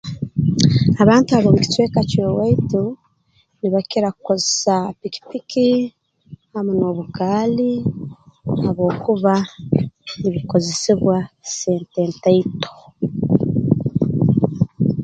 Abantu ab'omu kicweka ky'owaitu nibakira kukozesa pikipiki hamu n'obugaali habwokuba nibikozesebwa sente ntaito